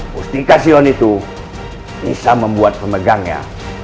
mustikasion itu bisa membuat pemegangnya